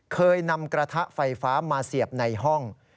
เคยนำกระทะไฟฟ้ามาเสียบในห้อง